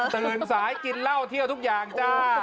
ตื่นสายกินเหล้าเที่ยวทุกอย่างจ้า